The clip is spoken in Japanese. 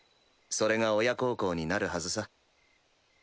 それが親孝行になるはずさ。